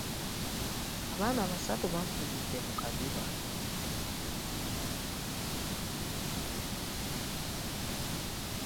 Abaana basatu bafiridde mu kiddiba